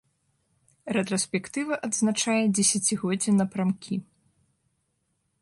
Рэтраспектыва адзначае дзесяцігоддзе напрамкі.